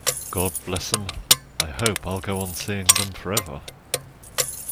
God bless 'em, I hope I'll go on seeing them forever.